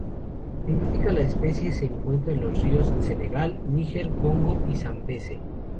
En África, la especie se encuentra en los ríos: Senegal, Níger, Congo y Zambeze.